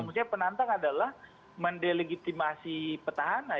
maksudnya penantang adalah mendelegitimasi petahana